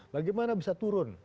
bagaimana bisa turun